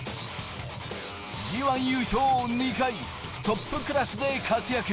Ｇ１優勝２回、トップクラスで活躍。